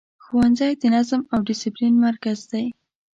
ښوونځی د نظم او دسپلین مرکز دی.